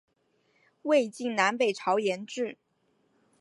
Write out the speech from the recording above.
魏晋南北朝沿置。